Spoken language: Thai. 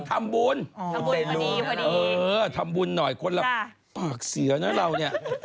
ทำบุญพอดีคุณแม่รู้ไหมคะเออทำบุญหน่อยคนละปากเสียนะเราเนี่ย